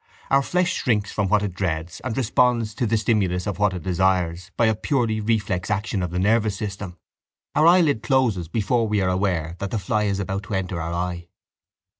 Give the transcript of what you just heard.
Our flesh shrinks from what it dreads and responds to the stimulus of what it desires by a purely reflex action of the nervous system. Our eyelid closes before we are aware that the fly is about to enter our eye.